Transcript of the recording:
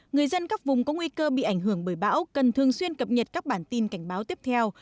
người dân các vùng có nguy cơ bị ảnh hưởng bởi bão cần thường xuyên cập nhật các bản tin cảnh báo tiếp theo